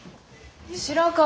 白川